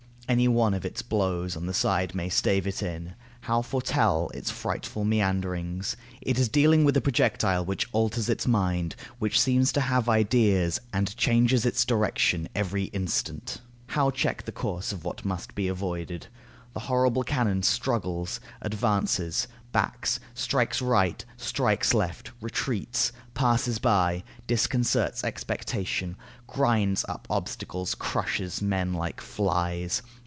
Any one of its blows on the side of the ship may stave it in. How foretell its frightful meanderings? It is dealing with a projectile, which alters its mind, which seems to have ideas, and changes its direction every instant. How check the course of what must be avoided? The horrible cannon struggles, advances, backs, strikes right, strikes left, retreats, passes by, disconcerts expectation, grinds up obstacles, crushes men like flies.